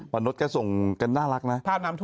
วันนทสส่งกันน่ารักนะ